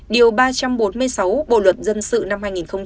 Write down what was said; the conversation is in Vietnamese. điều ba trăm bốn mươi sáu bộ luật dân sự năm hai nghìn một mươi năm